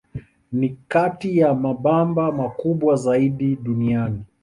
Ni kati ya mabamba makubwa zaidi duniani.